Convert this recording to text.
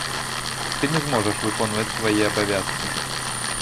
Ты не зможаш выконваць свае абавязкі.